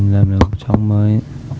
làm được một chóng mới